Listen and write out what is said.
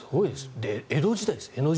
江戸時代ですよ。